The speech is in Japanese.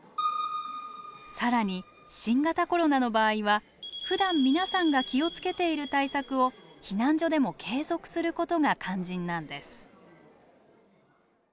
更に新型コロナの場合はふだん皆さんが気を付けている対策を避難所でも継続することが肝心なんです。